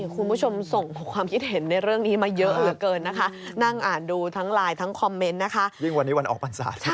คุณผู้ชมส่งความคิดเห็นในเรื่องนี้มาเยอะเกินนะคะนั่งอ่านดูทั้งไลน์ทั้งคอมเมนต์นะคะ